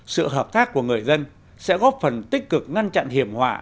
sự hợp tác của người dân sẽ góp phần tích cực ngăn chặn hiểm họa